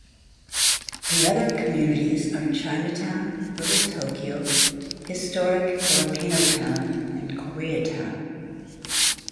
The other communities are Chinatown, Little Tokyo, Historic Filipinotown and Koreatown.